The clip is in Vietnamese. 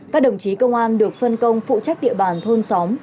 các đồng chí công an được phân công phụ trách địa bàn thôn xóm